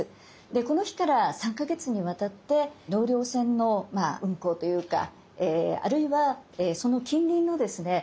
でこの日から３か月にわたって納涼船の運航というかあるいはその近隣のですね